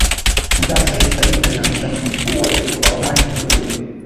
Sultani Sayyid Said alihamisha mji mkuu wake kutoka Omani kuja Unguja